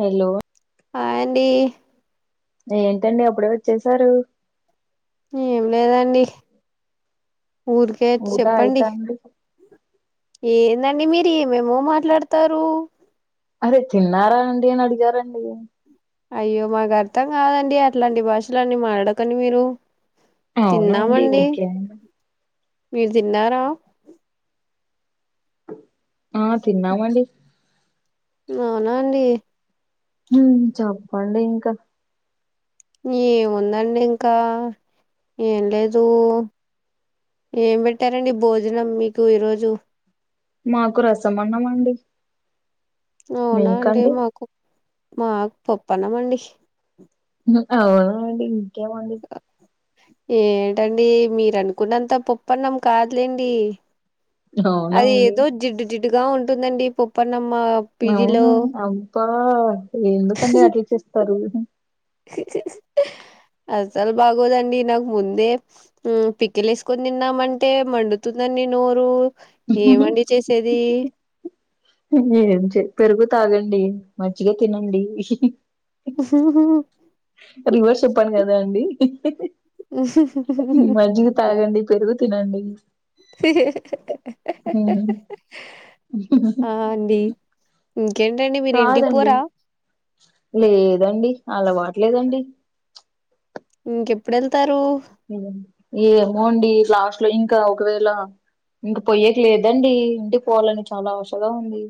Hello hi అండి ఏంటండి అప్పుడే వచ్చేసారూ ఏం లేదండి ఊర్కే ఊట చెప్పండి. అయితాంది ఏందండి మీరు ఏమేమో మాట్లాడ్తారు. అరే తిన్నారా అండి అని అడిగారండి. అయ్యో మాకు అర్థం కాదండి అట్లాంటి భాషలున్నీ మాడడకండి మీరు అవునా అండి తిన్నామండి. ఓకే అండి మీరు తిన్నారా ఆ తిన్నామండి‌. అవునా అండి. హుమ్ చెప్పండి ఇంకా ఏముందండి ఇంకా ఏన్లేదు ఏం బెట్టారండి భోజనం మీకు ఈరోజు మాకు రసం అన్నాం అండి‌. అవునా అంటే మాకు మాక్ పోప్పన్నాం అండి. అవునుండి ఇంకేమండీ ఏంటండీ మీరు అనుకున్నంత పప్పన్నాం కాద్లేండి. అవునా అది అండి ఏదో జిడ్డు జిడ్డుగా ఉంటుందండి పొప్పనమ్మ అవును అబ్బా ఎందుకండి అట్ల చేస్తారు అసలు బాగోదండి నాకు ముందే హ్మ్ పికెలేస్కుని తిన్దమంటే మండుతుందండి నోరు ఏమండి చేసేది ఏం పెరుగు తాగండి మంచిగా తినండి హి హి హ హ్మ్ రివర్స్ చెప్పాను కదా అండి ఉహుహ్మ్ ఈ మజ్జిగ తాగండి పెరుగు తినండి హి హి హి ఉ హ్మ్ హ్మ్ ఇంకేంటండి మిరింటికి పోరా లేదండి అల్వాట్లేదండి ఇంకెప్పుడేల్ళ్తారు ఏమోండి లాస్ట్లో ఇంకా ఒకవేళ ఇంక పోయ్యకెలేదండి ఇంటికి పోవాలని చాలా ఆశగా ఉంది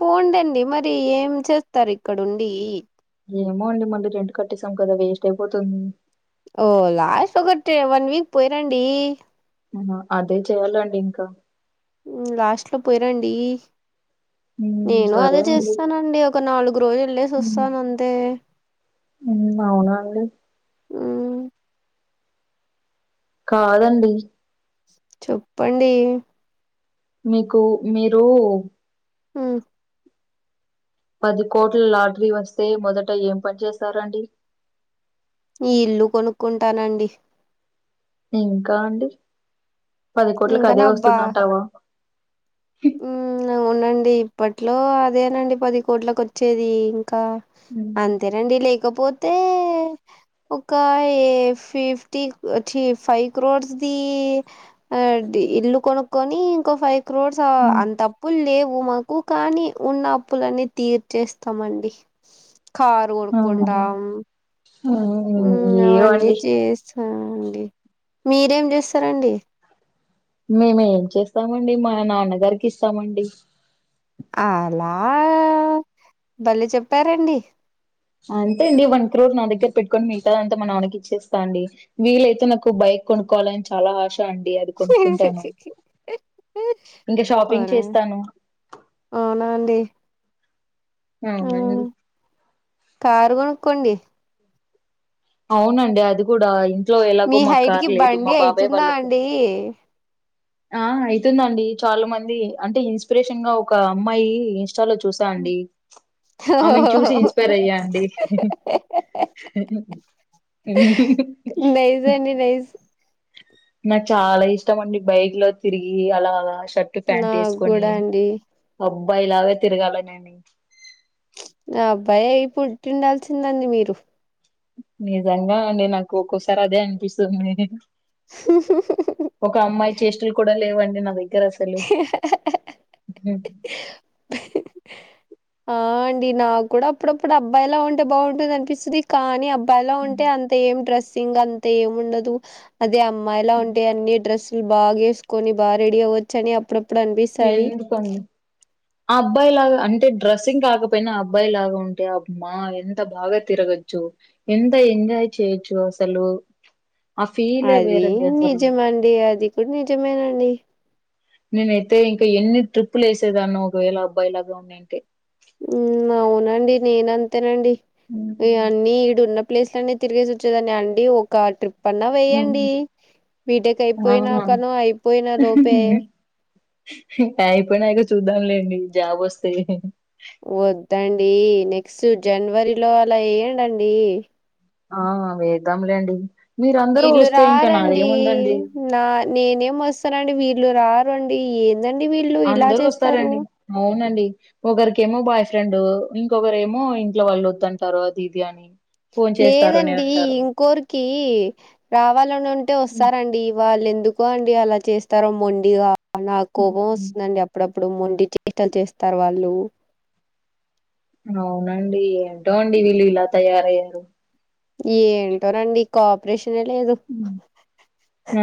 పోందండి మరి ఏం చేస్తారు ఇక్కడుండి ఏమో అండి మళ్ళీ రెంట్ కట్టేసాం కదా వేస్ట్ అయిపోతుంది ఓ లాస్ట్ ఒకటి వన్ వీక్ పోయిరండి ఆ అదే చెయాలండి ఇంకా లాస్ట్లో పోయిరాండి ఉమ్, నేను సరే అదే అండి చేస్తానండి ఒక నాలుగు రోజుల్లేస్సి వస్తాను అంతే హ్మ్ అవునా అండి మ్ కాదండి చోప్పండి మీకు మీరు ఆ పది కోట్ల లాటరీ వస్తే మొదట ఏం పని చేస్తారండి ఈ ఇల్లు కొనుక్కుంటానండి ఇంకా అండి పది కోట్లల్కు ఇంకా అదే నా బా వస్తుందంటావా అవునండి ఇప్పట్లో అదేనండి పది కోట్లలకు వచ్చేది ఇంకా ఉమ్, అంతేనండి లేకపోతే ఒక ఏ ఫిఫ్టీచ్చి ఫైవ్ క్రోర్స్ది ఆ ఇల్లు కొనుక్కని ఇంకో ఫైవ్ క్రౌస్ ఉమ్, అంత అప్పులు లేవు మాకు కానీ ఉన్న అప్పులన్నీ తీర్చేస్తామండి కాారు కొనుకుంటాం ఆ అవన్నీ చేస్తాండి మీరేం చేస్తారండి మేమేం చేస్తామండి మా నాన్నగారికి ఇస్తామండి అలా భలే చెప్పారండి అంతే అండి వన్ క్రోర్ నా దగ్గర పెట్టుకొని మిగతా అంత మా నాన్నకి ఇచ్చేస్తా అండి వీలైతే నాకు బైక్ కొనుక్కోవాలని చాలా ఆశ అండి అది కొనుక్కుంటాను ఇంకా షాపింగ్ కొనండి చేస్తాను అవునా అండి అవునండి కరూ కొనుక్కోండి అవునండి అది కూడా ఇంట్లో ఎలాగో మీ మా హైట్ కార్ లేదు బండి మా బాబాయ్ అయితుందా వాళ్ళకు అండి. కి ఆ అయితుందండి చాలా మంది అంటే ఇన్స్పిరేషన్ గా ఒక అమ్మాయి ఇన్స్టాలో చూస్ త అండి ఆమెను చూసి ఇన్స్పైర్ అయ్యాండి [inaudible] రైస్ నాకు చాలా ఇష్టం అండి బైక్ లో తిరిగి అలా షర్ట్ ప్యాంట్ నాకు వేసుకొని కూడా అండి అబ్బాయిలగా తిరగాల నేను ఆ అబ్బాయి గా పుట్టి ఉండాల్సిందండి మీరు నిజంగా అండి నాకు ఒక్కొసారి అదే అనిపిస్తది ఉహు ఒక అమ్మాయి చేస్టలు కూడా లేవండి నా దగ్గర అసలు ఆ అండి నాకు కూడా అప్పుడప్పుడు అబ్బాయిలా ఉంటే బాగుంటది అనిపిస్తది కానీ అబ్బాయిల ఉంటే అంత ఏం డ్రెస్సింగ్ అంత ఏం ఉండదు అదే అమ్మాయిలా ఉంటే అన్ని డ్రస్సులు బాగా వేసుకొని బా రెడీ అవ్వచ్చని అప్పుడు ఎందుకండీ ఆ అబ్బాయి లాగా అంటే డ్రెస్సింగ్ కాకపోయినా ఆ అబ్బాయి లాగా ఉంటే అమ్మ ఎంత బాగా తిరగచ్చు ఎంత ఎంజాయ్ చేయొచ్చు అసలు ఆ ఫీలే అది వేరండి అసలు నిజమండి అది కూడా నిజమేనండి నేనైతే ఇంకా ఎన్ని ట్రిప్పులు వేసేదాన్నో ఒకవేళ అబ్బాయి లాగా ఉన్నింటే మ్మ్ అవునండి నేను అంతేనండి ఇగ అన్ని ఈడున్నప్ ప్లేసులన్నీ తిరిగేసి వచ్చేదాని అండి ఒక ట్రిప్ పన్నా వెయ్యండి బీటెక్ అయిపోయినా ఆహా కనో అయిపోయినా లోపే అయిపోయినంక చూద్దాంలేండి జాబ్ వస్తే వద్దండి నెక్స్ట్ జనవరి లో అలా వెయ్యండి అండి ఆ వేద్దాంలేండి మీరు అందరూ వీళ్ళు వస్తే ఇంకా నాది రారండి. ఏముందండి నా నేనేం వస్తానండి వీళ్ళు రారండి ఏందండి వీళ్ళు ఇలా అందరూ చేస్తారు వస్తారండి అవునండి ఒకరికేమో బాయ్ ఫ్రెండ్ ఇంకొకరు ఏమో ఇంట్లో వాళ్ళు వద్దుంటారు అది ఇది అని ఫోన్ చేస్తారని లేదండి అంటారు ఇంకొరికి రావాలని ఉంటే హ్మ్. వస్తారండి వాళ్ళ ఎందుకో అండి అలా చేస్తారో మొండిగా నాకు కోపం వస్తుందండి అప్ అప్పుడప్పుడు మొండి చేష్టలు చేస్తారు వాళ్ళు అవునండి ఏంటోండి వీళ్ళు ఇలా తయారయారు ఏంటో నండి కో ఆపరేషన్ ఎ లేదు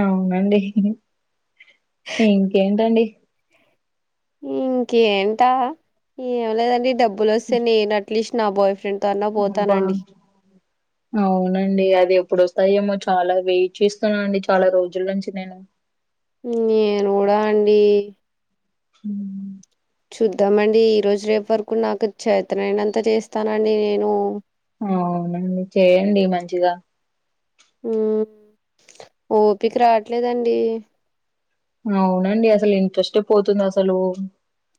అవునండి ఇంకేంటండి ఇంకేంట ఏం లేదండి డబ్బులు వస్తే నేను అట్లీస్ట్ నా బాయ్ ఫ్రెండ్ అబ్బ అవునండి అది ఎప్పుడోస్తాయేమో చాలా వెయిట్ చేస్తున్నా అండి చాలా రోజుల నుంచి నేను నేను కూడా అండి మ్మ్ చూద్దామండి ఈరోజు రేపు వరకు నాకు చేతనైనంత చేస్తానండి నేను అవునండి చేయండి మంచిగా మ్మ్ ఓపికి రాట్లేదండి అవునండి అసలు ఇంట్రెస్టే పోతుంది అసలు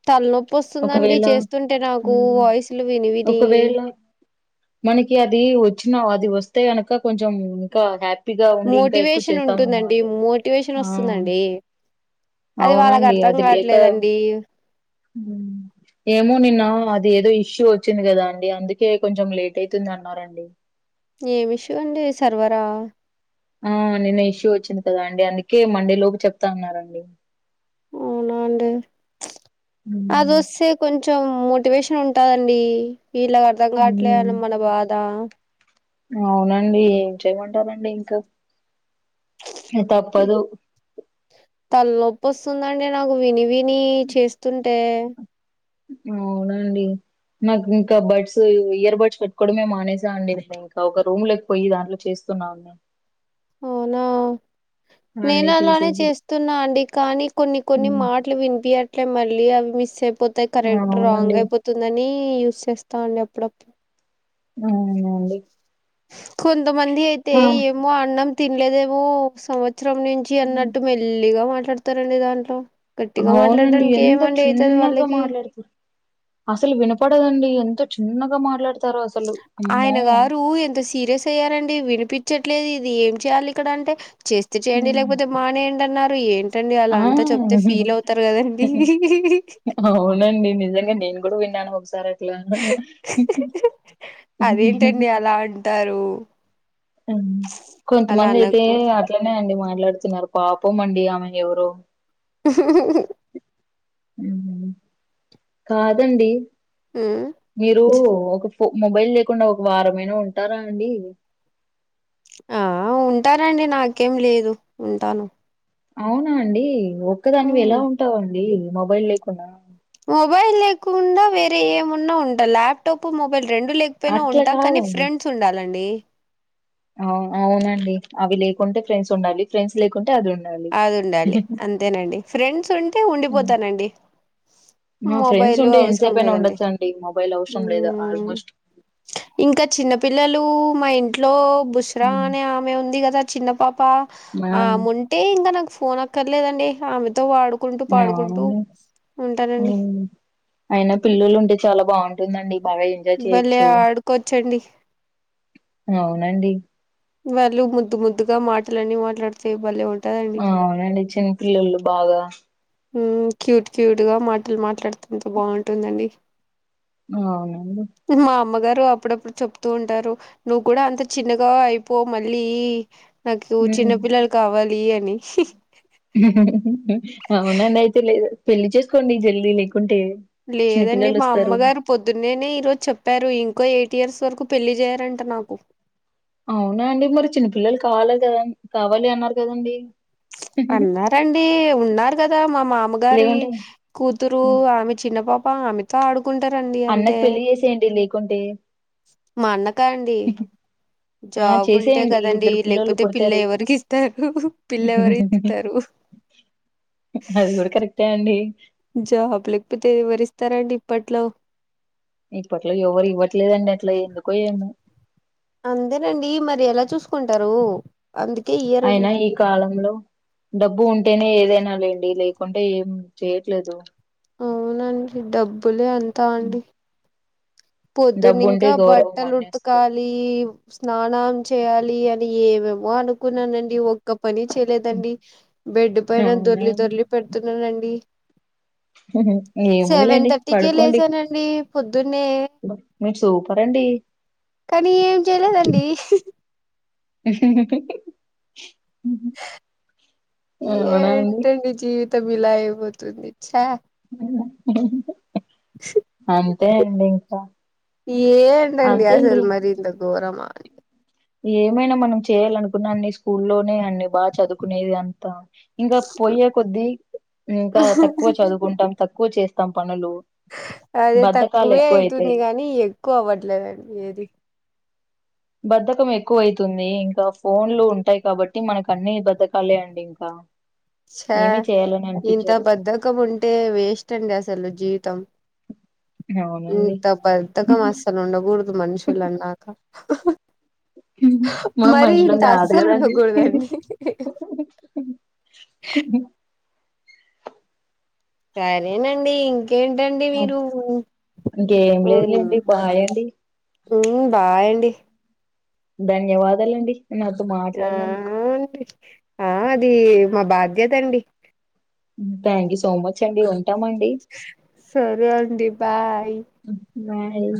తలనొప్పి వస్తుందండి ఒకవేళ చేస్తుంటే నాకు హ్మ్. వాయిసులు విని విని ఒకవేళ మనకి అది వచ్చినా అది వస్తే కనుక కొంచెం ఇంకా హ్యాప్ నొప్పిగా ఉంది ఇంకా ఎక్కువ మోటివేషన్ చేద్దాము ఉంటుందండి అంటే మోటివేషన్ ఆ వస్తుందండి అది వాళ్ళకి అవునండి అర్థం అది లేక కావట్లేదండి ఉమ్ ఏమో నిన్న అది ఏదో ఇష్యూ వచ్చింది గదా అండి అందుకే కొంచెం లేట్ అవుతుంది అన్నారండి ఏం ఇష్యూ అండి సర్వరా ఆ నిన్న ఇష్యూ వచ్చింది కదా అండి అందుకే మండే లోపు చెప్తా అన్నారండి అవునా అండి అది హ్మ్. వస్తే కొం చెం మోటివేషన్ ఉంటాదండి వీళ్ళకి అర్థం గాట్లే హ్మ్. అని మన బాధ అవునండి ఏం చేయమంటారండి ఇంకా తప్పదు తలనొప్పి వస్తుందండి నాకు విని విని చేస్తుంటే అవునండి నాకు ఇంకా బడ్స్ ఇయర్ బడ్స్ పెట్టుకోవడమే మానేసా అండి ఇంకా ఒక రూమ్ లోకి పోయి దాంట్లో చేస్తున్న అండి అవునా నేను అలానే తీసేసి చేస్తున్నా అండి కానీ కొన్ని కొన్ని హ్మ్. మాటలు వినిపియ అంటే మళ్ళీ అవి మిస్ అయిపోతాయి కరెక్ట్ అవునండి రాంగ్ అయిపోతుందని యూజ్ చేస్తావుండే అప్పుడప్పుడు అవునండి కొంతమంది అయితే ఆ! ఏమో అన్నం తినలేదేమో సంవ త్సరం నుంచి అన్నట్టు మెల్లిగా మాట్లాడతారండి దాంట్లో గట్టిగా అవునండి మాట్లాడడానికి ఎంత ఏమండి అయితది చిన్నగా వాళ్ళకి మాట్లాడుతుర్ అసలు వినపడదండి ఎంత చిన్నగా మాట్లాడుత్ ఆయన గారు ఎంత సీరియస్ అయ్యారండి వినిపించట్లేదు ఇది ఏం చేయాలి ఇక్కడ అంటే చేస్ చేస్తే చేయండి హ్మ్. లేకపోతే మానేయండి అన్నారు ఏంటండి ఆ అలా అంతా చెప్తే ఫీల్ అవుతారు కదండి అవునండి నిజంగా నేను గూడా విన్నాను ఒకసారి అ ట్లా ఉహ్ ఉహు టారు ఆ కొంతమంది అయితే అనకూడదు అట్లనే అండి మాట్లాడుతున్నారు పాపం అండి ఆమె ఎవరో ఉహు ఉహు హు హు ఉమ్ కాదండి ఉమ్ మీరు ఒక ఫో మొబైల్ లేకుండా ఒక వారమైనా ఉంటారా అండి ఆ ఉంటానండి నాకేం లేదు ఉంటాను అవునా అండి ఒక్కదానివి ఎలా హ్మ్ ఉంటావు అండి మొబైల్ లేకుండా మొబైల్ లేకుండా వేరే ఏమున్నా ఉంటా ల్యాప్టాప్ మొబైల్ రెండు లేక్ పోయినా అట్లా ఉంటా కానీ కాదండి ఫ్రెండ్స్ ఉండాలండి ఆవ్ అవునండి అవి లేకుంటే ఫ్రెండ్స్ ఉండాలి ఫ్రెండ్స్ లేకుంటే అది ఉండాలి అది ఉండాలి అంతేనండి ఫ్రెండ్స్ ఉంటే ఉమ్ ఉండిపోతానండి మా ఫ్రెండ్స్ మొబైల్ ఉంటే అవసరం ఎంతసేపైనా లేదండి ఉండొచ్చడి మొబైల్ అవసరం లేదు హ్మ్ ఆల్మోస్ట్ ఇంకా చిన్న పిల్లలు మా ఇంట్లో బుస్రా ఉమ్. అనే ఆమె ఉంది గదా చిన్న పాప ఆ ఆముంటే ఇంకా నాకు ఫోన్ అక్కర్లేదండి ఆమెతో ఆడు కుంటూ పాడుకుంటూ అవును ఉంటానండి ఉమ్. అయినా పిల్లల్లుంటే చాలా బాగుంటుందండి బాగా ఎంజాయ్ భలే చేయొచ్చు ఆడుకోవచ్చండి అవునండి వాళ్ళు ముద్దు ముద్దుగా మాటలన్ని మాట్లాడుత్ టే భలే ఉంటదండీ అ అవునండి చిన్నపిల్లోల్లు బాగా ఉ క్యూట్ క్యూట్ గా మాటలు మాట్లాడుతే ఎంత బాగుంటుందండి అవునండి మా అమ్మగారు అప్పుడప్పుడు చెప్తూ ఉంటారు నువ్ కూడా అంత చిన్నగా అయిపో మళ్ళీ నాకు హ్మ్ చిన్నపిల్లలు కావాలి అని అవునండి అయితే మీరు పెళ్లి చేసుకోండి జల్ది లేకుంటే చిన్న లేదండి పిల్లలు మా వస్తారు అమ్మగారు పొద్దున్నేనే ఈ రోజ్ చెప్పారు ఇంకో ఎయిట్ ఇయర్స్ వరకు పెళ్లి చేయారంట నాకు అవునా అండి మరి చిన్నపిల్లలు కావాలే కదా కావాలి అన్నారు కదండి అన్నారండి ఉన్నారు కదా మా మామగారి లేకుంటే కూతురు హ్మ్. ఆమె చిన్న పాప ఆమెతో ఆడుక్ కుంటరండి అన్నక్ పెళ్లి చేసేయండి లేకుంటే మా అన్నకా అండి ఆ జాబ్ ఉంటే చేసేయండి కదండి ఇద్దరు పిల్లోల్లు లేకపోతే పిల్ల పుడతారు ఎవరికి ఇస్తారు పిల్ల ఎవరు ఇస్తారు అది కూడా కరెక్టే అండి జాబ్ లేకపోతే ఎవరిస్తారు అండి ఇప్పట్లో ఇప్పట్లో ఎవరు ఇవ్వట్లేదండి అట్లా ఎందుకో ఏమో అందరూ అండి మరి ఎలా చూసుకుంటారు అందుకే ఇయ అయినా ఈ కాలంలో డబ్బు ఉంటేనే ఏదైనా లేండి లేకుంటే ఏం చేయట్లేదు అవునండి డబ్బులే అంతా అండి పొద్దున్న డబ్బు ఉంటే ఇంకా గౌరవం బట్టలు అన్నేస్తది ఉతకలి ఈ స్నానం చేయాలి అని ఏమేమో అనుకున్నానండి ఒక ఒక పని చేయలేదండి బెడ్ పైన అవునా దొర్లి దొర్లి పెడుతున్నానండి సెవెన్ ఏముందిలేండి థర్టీకే పడుకోండి లేసానండి పొద్దున్నే మీరు సూపర్ అండి కానీ ఏం చేయలేదండి ఇ అవునా అండి ఏంటడి జీవితం ఇలా అయిపోతుంది ఛా అంతే అండి ఇంకా ఏంటండి అంతే అండి అసలు మరి ఇంత ఘోరమా ఏమైనా మనం చేయాల అనుకున్నాన్ని స్కూల్లోనే అన్ని బాగా చదువుకునేది అంతా ఇంకా పొయ్యే కొద్ద్దీ ఇంకా తక్కువ చదువుకుంటాం తక్కువ చేస్తాం పనులు అదే బద్ధకాలు తక్కువే ఎక్కువ అయితాయి అవుతుంది కానీ ఎక్కువ అవ్వట్లేదండి ఏది బద్ధకం ఎక్కువ అవుతుంది ఇంకా ఫోన్లు ఉంటాయి కాబట్టి మనకు అన్ని బధకాలే అండి ఇంకా ఛా ఏమి చేయాలని ఇంత అనిపించదు బద్ధకం ఉంటే వేస్ట్ అండి అసలు జీవితం అవునండి ఇంత బద్దకం అస్సలు ఉండకూడదు మనుషులు అన్నాక మనం మరి మనుషులం ఇంత కాదు అస్సలు కదండి ఉండకూడదండి సరేనండి ఏంటండి మీరు ఇంకేం ఉమ్ లేదులేండి బాయ్ అండి హ్మ్ బాయండి ధన్యవాదాలండి నాతో మాట్లాడినందుకు థాంక్యూ ఆ అది మా బాధ్యత అండి థ్యాక్ యూ సో మచ్ అండి ఉంటామండి సరే అండి బాయ్ హ్మ్ బాయ్